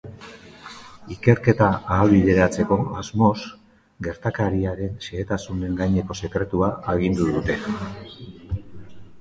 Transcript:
Ikerketa ahalbideratzeko asmoz, gertakariaren xehetasunen gaineko sekretua agindu dute.